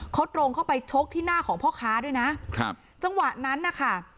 เขาตรงเข้าไปชกที่หน้าของพ่อค้าด้วยนะครับจังหวะนั้นนะคะ